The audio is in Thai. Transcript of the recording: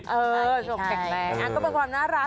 เออสุขแปลกอันก็เป็นความน่ารัก